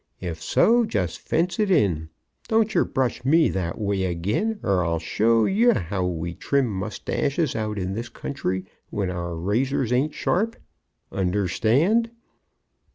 If so, just fence it in. Don't yer brush me that way agin, or I'll show yer how we trim moustaches out in this country when our razors ain't sharp. Understand?"